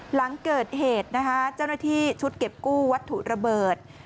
หลังเกิดเหตุนะคะเจ้าหน้าที่ชุดเก็บกู้วัตถุระเบิด